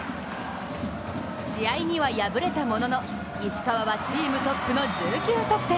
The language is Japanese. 試合には敗れたものの石川はチームトップの１９得点。